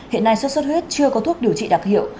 hiện nay sốt xuất huyết chưa có thuốc điều trị đặc hiệu